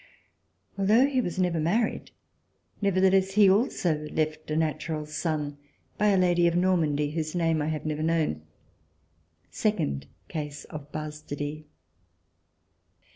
Although he was never married, nevertheless he also left a natural son by a lady of Normandy, whose name I have never known: second case of bastardy.